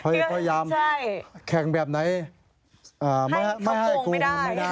พยายามแข่งแบบไหนไม่ให้โกงไม่ได้